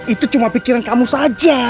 itu cuma pikiran kamu saja